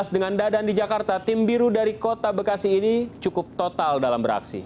dengan dadan di jakarta tim biru dari kota bekasi ini cukup total dalam beraksi